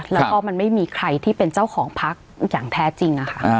แล้วก็มันไม่มีใครที่เป็นเจ้าของพักอย่างแท้จริง